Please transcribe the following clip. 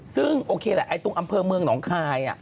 ซึ่งโอเคแหละตรงอำเภอเมืองหนองคาย